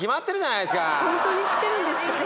ホントに知ってるんですか。